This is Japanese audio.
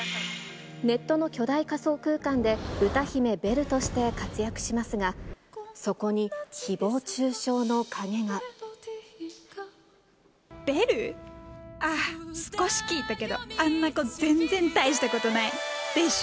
ネットの巨大仮想空間で歌姫、ベルとして活躍しますが、ベル？あっ、少し聴いたけど、あんな子、全然大したことない、でしょ？